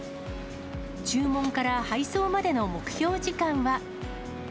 注文から配送までの目標時間は。